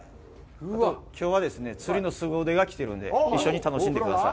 きょうはですね、釣りのすご腕が来ているので、一緒に楽しんでください。